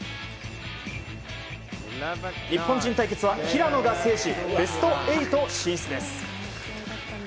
日本人対決は平野が制しベスト８進出です。